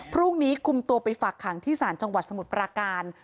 พรุ่งนี้คุมตัวไปฝากขังที่ศาลจังหวัดสมุทรปราการ